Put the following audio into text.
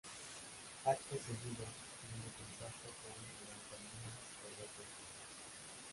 Acto seguido, firmó contrato con Alianza Lima por dos temporadas.